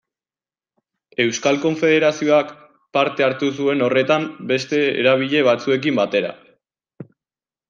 Euskal Konfederazioak parte hartu zuen horretan beste eragile batzuekin batera.